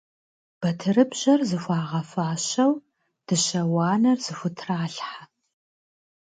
Батырыбжьэр зыхуагъэфащэу, дыщэ уанэр зыхутралъхьэ.